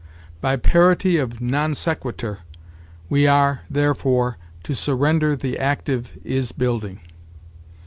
By parity of non sequitur, we are, therefore, to surrender the active is building.